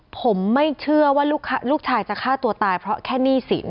ผมไม่เชื่อว่าลูกชายจะฆ่าตัวตายเพราะแค่หนี้สิน